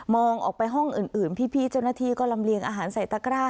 ออกไปห้องอื่นพี่เจ้าหน้าที่ก็ลำเลียงอาหารใส่ตะกร้า